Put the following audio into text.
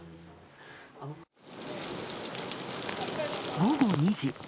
午後２時。